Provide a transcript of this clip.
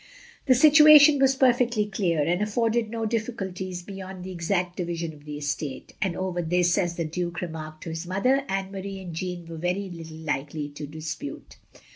The situation was perfectly clear, and afforded no difficulties beyond the exact division of the estate; and over this, as the Duke remarked to his mother, Anne Marie and Jeanne were very little likely to dispute.